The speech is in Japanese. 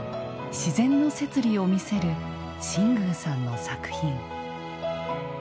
自然の摂理を見せる新宮さんの作品。